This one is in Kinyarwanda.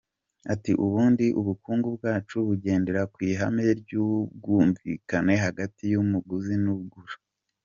Ati “Ubundi ubukungu bwacu bugendera ku ihame ry’ubwumvikane hagati y’umuguzi n’ugura.